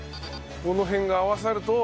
この辺が合わさると。